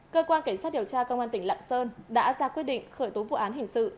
cơ quan cảnh sát điều tra công an tỉnh lạng sơn đã ra quyết định khởi tố vụ án hình sự